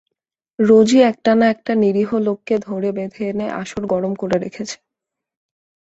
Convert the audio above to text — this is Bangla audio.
রোজই একটা-না-একটা নিরীহ লোককে ধরে বেঁধে এনে আসর গরম করে রেখেছে।